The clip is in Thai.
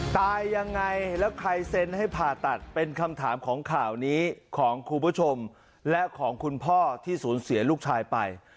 ตายยังไงแล้วใครเซ็นให้ผ่าตัดเป็นคำถามของข่าวนี้ของคุณผู้ชมและของคุณพ่อที่สูญเสียลูกชายไป